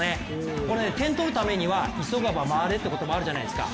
これね点取るためには急がば回れという言葉もあるじゃないですか。